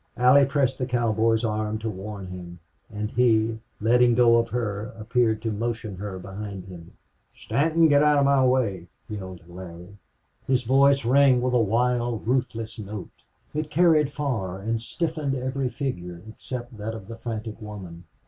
Allie pressed the cowboy's arm to warn him, and he, letting go of her, appeared to motion her behind him. "Stanton! Get out of my way!" yelled Larry. His voice rang with a wild, ruthless note; it carried far and stiffened every figure except that of the frantic woman.